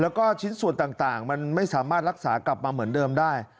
แล้วก็ชิ้นส่วนต่างมันไม่สามารถรักษากลับมาเหมือนเดิมได้